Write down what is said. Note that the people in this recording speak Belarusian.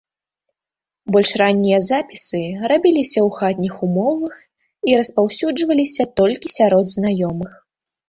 Больш раннія запісы рабіліся ў хатніх умовах і распаўсюджваліся толькі сярод знаёмых.